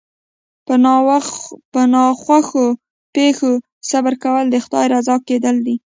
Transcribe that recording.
په ناخوښو پېښو صبر کول د خدای رضا کېدل دي.